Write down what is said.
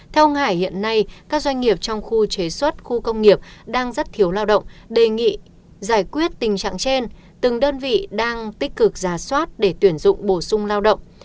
theo ông hải hiện nay các doanh nghiệp trong khu chế xuất khu công nghiệp đang rất thiếu lao động đề nghị giải quyết tình trạng trên từng đơn vị đang tích cực giả soát để tuyển dụng bổ sung lao động